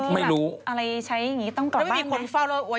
ไม่เหลืออะไรเลย